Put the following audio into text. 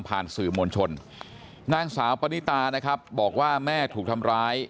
สื่อมวลชนนางสาวปนิตานะครับบอกว่าแม่ถูกทำร้าย